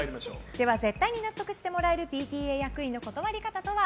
絶対に納得してもらえるＰＴＡ役員の断り方とは？